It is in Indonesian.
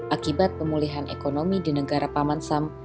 akibat pemulihan ekonomi di negara paman sam